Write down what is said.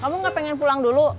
kamu gak pengen pulang dulu